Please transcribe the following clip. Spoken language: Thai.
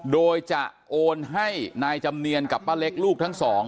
โดยจะโอนให้นายจำเนียนกับป้าเล็กลูกทั้งสอง